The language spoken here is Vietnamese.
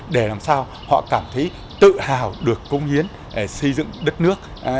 để làm sao họ cảm thấy tự hào được công hiến để xây dựng đất nước